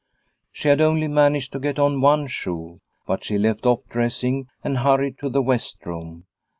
She had only managed to get on one shoe, but she left off dressing and hurried to the west room.